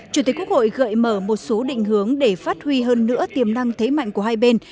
chủ tịch quốc hội gợi mở một số định hướng để phát huy hơn nữa tiềm năng thế mạnh của hai bên